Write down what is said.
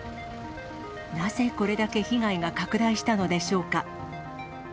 なぜこれだけ被害が拡大したのでしょうか。